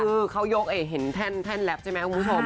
คือเขายกเห็นแท่นแล็บใช่ไหมคุณผู้ชม